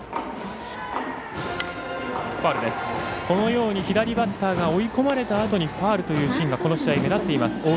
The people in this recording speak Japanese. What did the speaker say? このように左バッターが追い込まれたあとにファウルというシーンがこの試合、目立っています。